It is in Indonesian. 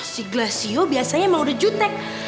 si glasio biasanya emang udah jutek